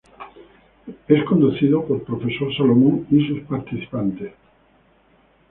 Es conducido por "Profesor Salomón" y sus participantes.